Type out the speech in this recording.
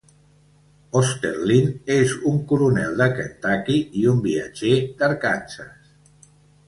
Osterlind és un coronel de Kentucky i un viatger d'Arkansas.